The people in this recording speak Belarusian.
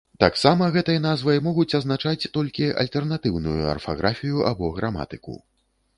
Таксама гэтай назвай могуць азначаць толькі альтэрнатыўную арфаграфію або граматыку.